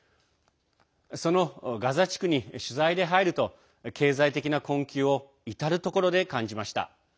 そのガザ地区に取材で入ると経済的な困窮を至る所で感じました。